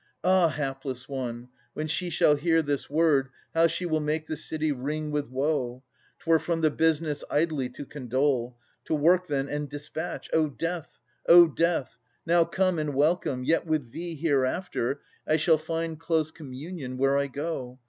Ah, hapless one ! when she shall hear this word, How she will make the city ring with woe ! 'Twere from the business idly to condole. To work, then, and dispatch. O Death ! O Death ! Now come, and welcome ! Yet with thee, hereafter, I shall find close communion where I go.